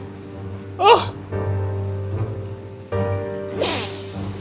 bisa berarti ustadzah belum diambil ke ujian